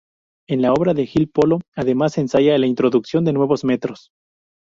En la obra de Gil Polo, además, se ensaya la introducción de nuevos metros.